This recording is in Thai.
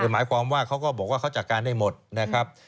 หมายความว่าเขาก็บอกว่าเขาจัดการได้หมดนะครับ